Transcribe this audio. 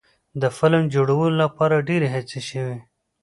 د فلم جوړولو لپاره ډیرې هڅې وشوې.